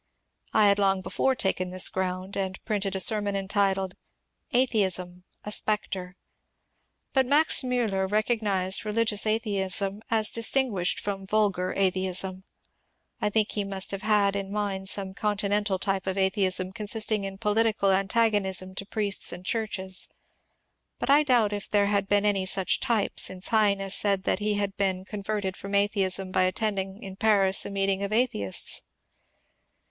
I had long before taken this ground, and printed a sermon entitled ^^ Atheism : a Spectre." But Max Miiller recognized religious atheism as distinguished from ^^ vulgar atheism." I think he must have had in mind some continental type of atheism consisting in political an tagonism to priests and churches, but I doubt if there had been any such type since Heine said that he had been con verted from atheism by attending in Paris a meeting of athe ists.